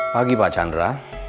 pagi pak chandra